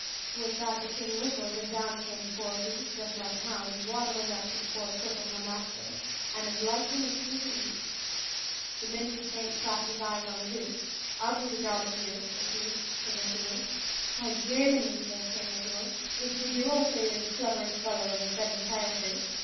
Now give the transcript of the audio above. With that the king whistled, and down came the poor goose, just like a hound, waddling up to the poor cripple, her master, and as like him as two peas. The minute the saint clapt his eyes on the goose, "I'll do the job for you," says he, "King O'Toole." "By Jaminee!" says King O'Toole, "if you do, I'll say you're the cleverest fellow in the seven parishes."